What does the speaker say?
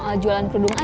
saya lagi tahu